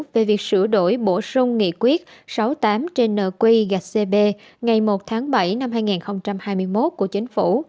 về việc sửa đổi bổ sung nghị quyết sáu mươi tám trên nq gcb ngày một tháng bảy năm hai nghìn hai mươi một của chính phủ